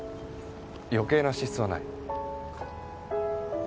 余計な支出はない。